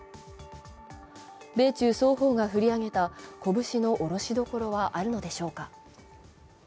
米中双方が振り上げた拳の下ろしどころはあるのでしょうか？